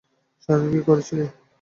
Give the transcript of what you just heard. সারাদিন কী করেছিলে?